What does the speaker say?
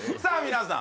皆さん